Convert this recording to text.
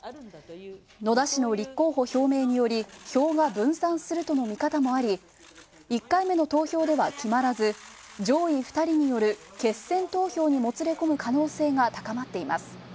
野田氏の立候補表明により票が分散するとの見方もあり、１回目の投票では決まらず、上位２人による決選投票にもつれ込む可能性が高まっています。